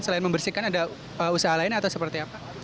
selain membersihkan ada usaha lain atau seperti apa